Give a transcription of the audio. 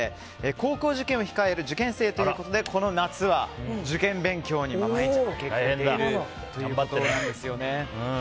高校受験を控える受験生ということで、この夏は受験勉強に毎日明け暮れているということなんですよね。